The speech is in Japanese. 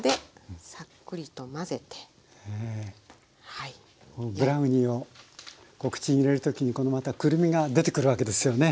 このブラウニーを口に入れる時にこのまたくるみが出てくるわけですよね。